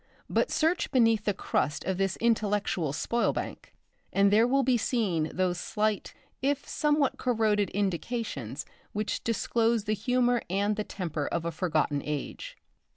But search beneath the crust of this intellectual spoil bank, and there will be seen those slight, if somewhat corroded indications which disclose the humour and the temper of a forgotten age.